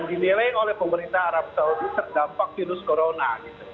dinilai oleh pemerintah arab saudi terdampak virus corona